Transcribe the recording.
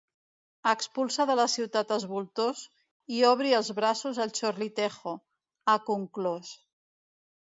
“Expulsa de la ciutat als voltors i obri els braços al chorlitejo”, ha conclòs.